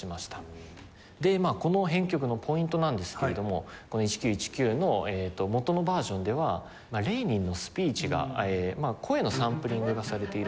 この編曲のポイントなんですけれどもこの『１９１９』の元のバージョンではレーニンのスピーチが声のサンプリングがされているんですね。